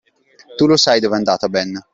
Tu lo sai dove è andata, Ben!